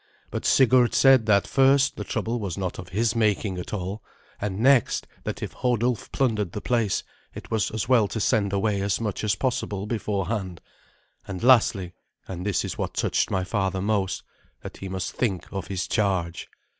But Sigurd said that, first, the trouble was not of his making at all; and next, that if Hodulf plundered the place, it was as well to send away as much as possible beforehand; and lastly and this was what touched my father most that he must think of his charge.